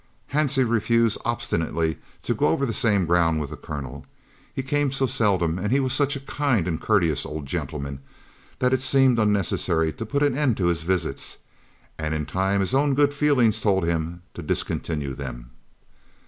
Hansie refused obstinately to go over the same ground with the Colonel. He came so seldom, and he was such a kind and courteous old gentleman, that it seemed unnecessary to put an end to his visits, and in time his own good feeling told him to discontinue them.